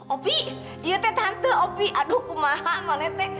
opik iya teh tante opik aduh kumahamah neteh